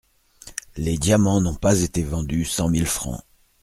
Les diamants n'ont pas été vendus cent mille francs.